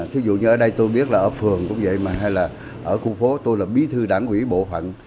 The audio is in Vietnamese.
thí dụ như ở đây tôi biết là ở phường cũng vậy mà hay là ở khu phố tôi là bí thư đảng ủy bộ phận